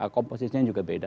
komposisinya juga beda